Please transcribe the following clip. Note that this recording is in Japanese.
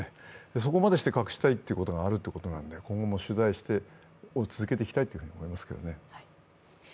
そこまで隠したいことがあるということで今後も取材を続けていきたいと思いますけどね。